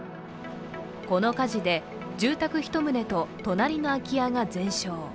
この火事で、住宅１棟と隣の空き家が全焼。